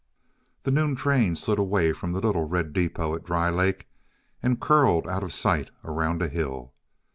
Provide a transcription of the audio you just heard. The noon train slid away from the little, red depot at Dry Lake and curled out of sight around a hill.